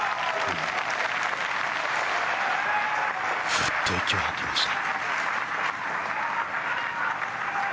ふっと息を吐きました。